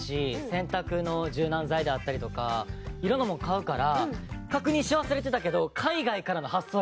洗濯の柔軟剤であったりとか色んなもの買うから確認し忘れてたけど海外からの発送やったとか。